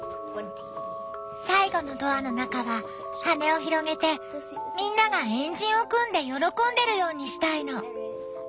最後のドアの中は羽を広げてみんなが円陣を組んで喜んでるようにしたいの。